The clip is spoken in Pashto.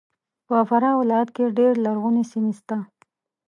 په فراه ولایت کې ډېر لرغونې سیمې سته